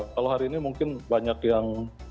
kalau hari ini mungkin banyak yang